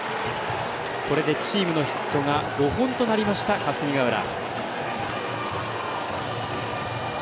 これでチームのヒットが５本となりました、霞ヶ浦。